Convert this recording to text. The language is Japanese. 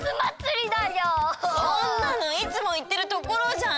そんなのいつもいってるところじゃん！